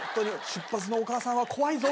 出発のお母さんは怖いぞ。